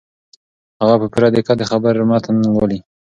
هغه په پوره دقت د خبر متن لولي.